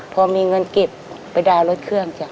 พอมีเงินกิจไปดาวรถเครื่อง